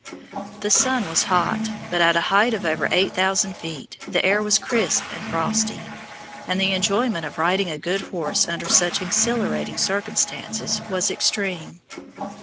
The sun was hot, but at a height of over 8,000 feet the air was crisp and frosty, and the enjoyment of riding a good horse under such exhilarating circumstances was extreme.